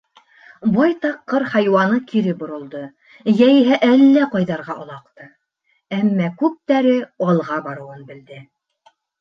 Байтаҡ ҡыр хайуаны кире боролдо йәиһә әллә ҡайҙарға олаҡты, әммә күптәре алға барыуын белде.